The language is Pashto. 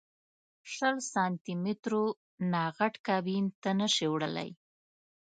شل سانتي مترو نه غټ کابین ته نه شې وړلی.